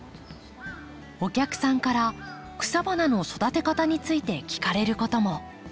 お客さんから草花の育て方について聞かれることも。